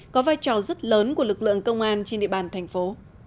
có vai trò rất lớn của lực lượng công an trên địa bàn thành phố